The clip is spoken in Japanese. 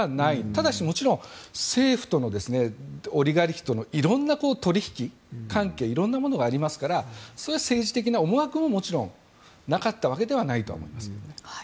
ただし政府とオリガルヒとのいろんな取引関係はいろいろなものがありますから政治的な思惑ももちろんなかったわけではないと思います。